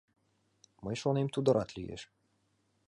Мый шонем, тудо рат лиеш!